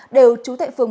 đều trú thệ phường bốn